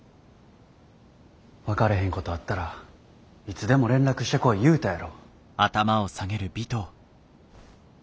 分かれへんことあったらいつでも連絡してこい言うたやろ。